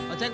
oh cek pak